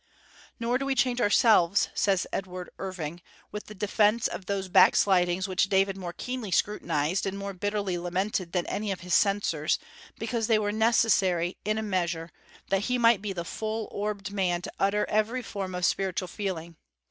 "Nor do we charge ourselves," says Edward Irving, "with the defence of those backslidings which David more keenly scrutinized and more bitterly lamented than any of his censors, because they were necessary, in a measure, that he might be the full orbed man to utter every form of spiritual feeling.